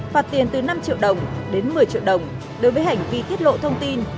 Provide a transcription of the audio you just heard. phạt tiền từ năm triệu đồng đến một mươi triệu đồng đối với hành vi tiết lộ thông tin